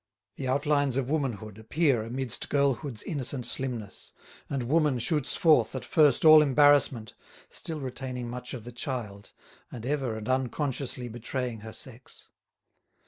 The outlines of womanhood appear amidst girlhood's innocent slimness, and woman shoots forth at first all embarrassment, still retaining much of the child, and ever and unconsciously betraying her sex.